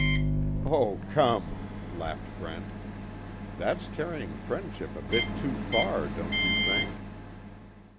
"Oh, come," laughed Brent, "That's carrying friendship a bit too far, don't you think?"